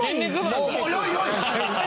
もうよいよい！